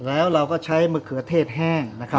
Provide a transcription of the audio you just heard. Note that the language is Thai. แล้วเราก็ใช้มะเขือเทศแห้งนะครับ